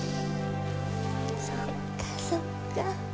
そっかそっか。